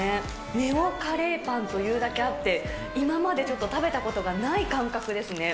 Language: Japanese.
ＮＥＯカレーパンというだけあって、今までちょっと食べたことがない感覚ですね。